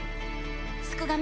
すくがミ